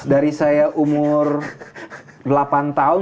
dari saya umur delapan tahun